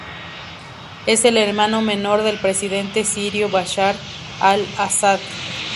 Es el hermano menor del presidente sirio Bashar al-Ásad.